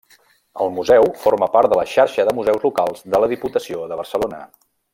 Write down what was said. El museu forma part de la Xarxa de Museus Locals de la Diputació de Barcelona.